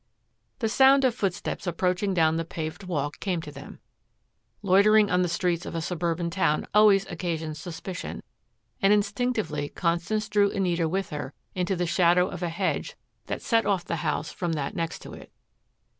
The sound of footsteps approaching down the paved walk came to them. Loitering on the streets of a suburban town always occasions suspicion, and instinctively Constance drew Anita with her into the shadow of a hedge that set off the house from that next to it.